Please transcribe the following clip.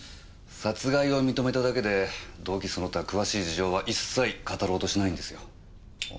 殺害を認めただけで動機その他詳しい事情は一切語ろうとしないんですよ。